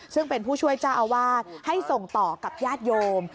ซึ่งเป็นผู้ช่วยเจ้าอาวาสให้ส่งต่อกับญาติโยม